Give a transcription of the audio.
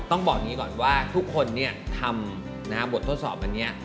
ต้องบอกอย่างนี้ก่อนว่าทุกคนทำบททดสอบอันนี้